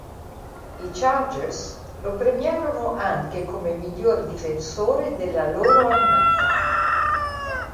I Chargers lo premiarono anche come miglior difensore della loro annata.